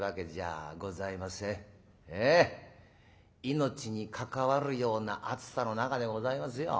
命に関わるような暑さの中でございますよ。